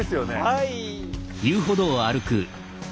はい。